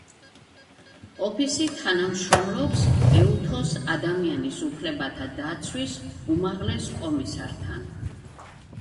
ოფისი თანამშრომლობს ეუთოს ადამიანის უფლებათა დაცვის უმაღლეს კომისართან.